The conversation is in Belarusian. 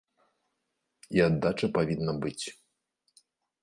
І аддача павінна быць.